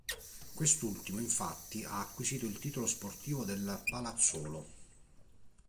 Quest'ultimo infatti ha acquisito il titolo sportivo del Palazzolo.